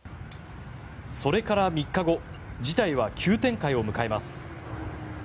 それから３日後事態は急展開を迎えます。